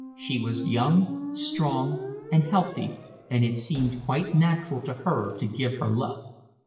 She was young, strong, and healthy, and it seemed quite natural to her to give her love.